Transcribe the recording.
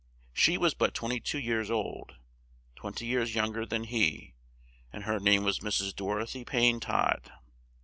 She was but twen ty two years old, twen ty years young er than he, and her name was Mrs. Dor o thy Payne Todd.